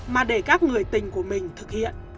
mà để các người tình của mình thực hiện